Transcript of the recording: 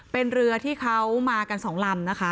เป็นเรือที่เขามากันสองลำนะคะ